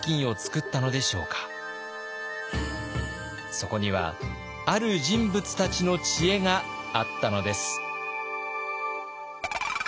そこにはある人物たちの知恵があったのです。